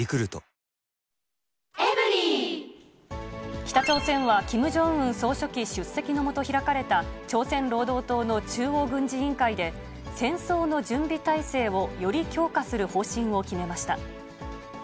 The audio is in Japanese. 北朝鮮は、キム・ジョンウン総書記出席の下開かれた朝鮮労働党の中央軍事委員会で、戦争の準備態勢をより強化する方針を決めました。